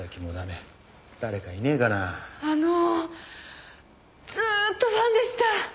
あのずーっとファンでした。